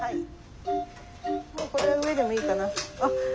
もうこれは上でもいいかな。